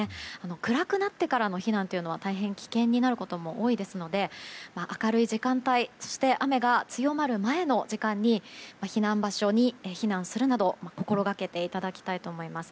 暗くなってからの避難は大変危険になることも多いですので明るい時間帯そして雨が強まる前の時間に避難場所に避難するなど心がけていただきたいと思います。